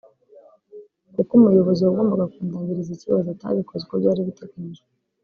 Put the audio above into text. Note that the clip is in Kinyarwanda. kuko Umuyobozi wagombaga kundangiriza ikibazo atabikoze uko byari biteganyijwe